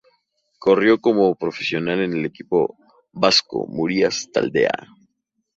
Corrió como profesional en el equipo vasco Murias Taldea.